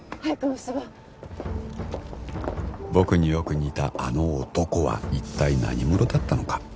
早く結ぼう僕によく似たあの男は一体何者だったのか？